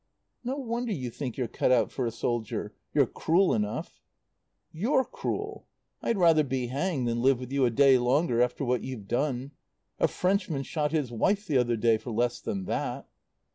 "No wonder you think you're cut out for a soldier. You're cruel enough." "You're cruel. I'd rather be hanged than live with you a day longer after what you've done. A Frenchman shot his wife the other day for less than that."